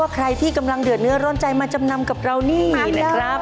ใครที่กำลังเดือดเนื้อร้อนใจมาจำนำกับเรานี่นะครับ